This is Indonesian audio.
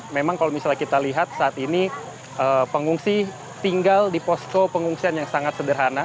memang kalau misalnya kita lihat saat ini pengungsi tinggal di posko pengungsian yang sangat sederhana